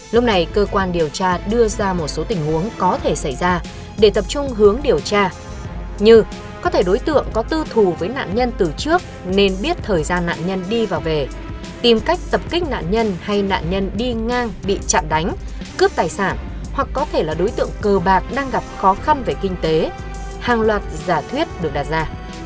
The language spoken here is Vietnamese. lúc này cơ quan điều tra đưa ra một số tình huống có thể xảy ra để tập trung hướng điều tra như có thể đối tượng có tư thù với nạn nhân từ trước nên biết thời gian nạn nhân đi và về tìm cách tập kích nạn nhân hay nạn nhân đi ngang bị chạm đánh cướp tài sản hoặc có thể là đối tượng cờ bạc đang gặp khó khăn về kinh tế hàng loạt giả thuyết được đặt ra